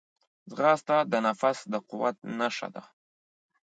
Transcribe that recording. ځغاسته د نفس د قوت نښه ده